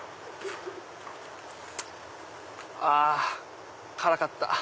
あ辛かった。